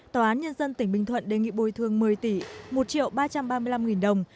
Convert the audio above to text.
tòa án nhân dân tỉnh bình thuận đề nghị bồi thường một mươi tỷ một triệu ba trăm ba mươi năm nghìn đồng